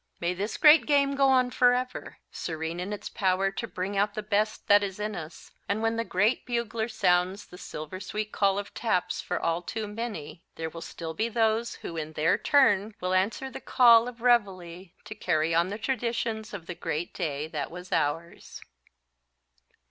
May this great game go on forever, serene in its power to bring out the best that is in us, and when the Great Bugler sounds the silver sweet call of taps for all too many, there will still be those who in their turn will answer the call of reveille to carry on the traditions of the great day that was ours.